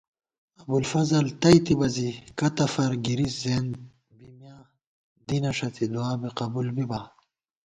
ابُوالفضل تئیتِبہ زی کتہ فَر گِری زیَنت بی مِیاں دینہ ݭڅی دُعا بی قبُول بِبا